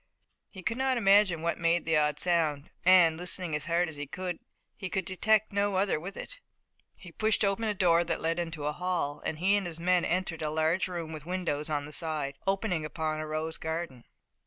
He could not imagine what made the odd sound, and, listening as hard as he could, he could detect no other with it. He pushed open a door that led into the hall and he and his men entered a large room with windows on the side, opening upon a rose garden.